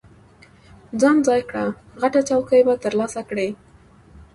ځان ځای کړه، غټه چوکۍ به ترلاسه کړې.